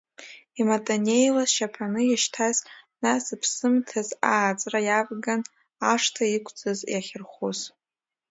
Иматанеиуа сшьапаны ишьҭаз нас зыԥсымҭаз, ааҵра иавган ашҭа иқәцаз, иахьырхәыз.